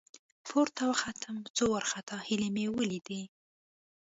، پورته وختم، څو وارخطا هيلۍ مې ولېدې.